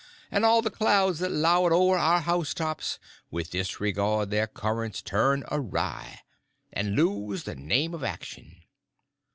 And all the clouds that lowered o'er our housetops, With this regard their currents turn awry, And lose the name of action.